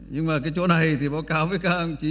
nhưng mà cái chỗ này thì báo cáo với cao ổng chí